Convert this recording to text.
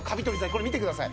これ見てください。